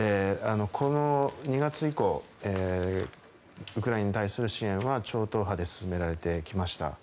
２月以降ウクライナに対する支援は超党派で進められてきました。